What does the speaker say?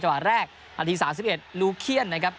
เจาะแรกนาที๓๑ลูเขี้ยนนะครับ